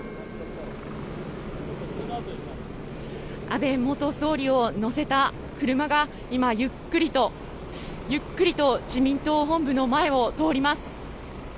安倍元総理を乗せた車がゆっくりと自民党本部の前を通ります。